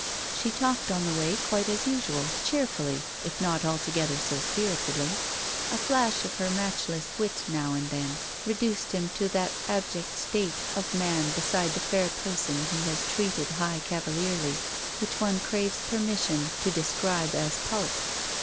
She talked on the way quite as usual, cheerfully, if not altogether so spiritedly. A flash of her matchless wit now and then reduced him to that abject state of man beside the fair person he has treated high cavalierly, which one craves permission to describe as pulp.